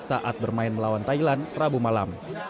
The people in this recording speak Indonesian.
saat bermain melawan thailand rabu malam